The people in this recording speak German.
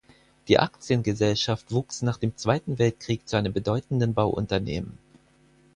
Die Aktiengesellschaft wuchs nach dem Zweiten Weltkrieg zu einem bedeutenden Bauunternehmen.